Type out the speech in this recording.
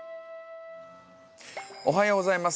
おはようございます。